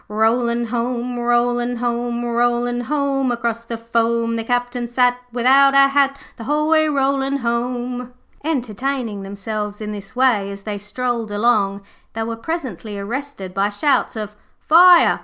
Rollin' home, rollin' home, Rollin' home across the foam, The Captain sat without a hat The whole way rollin' home.' Entertaining themselves in this way as they strolled along, they were presently arrested by shouts of 'Fire!